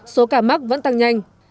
số cả mắc vẫn tăng nhanh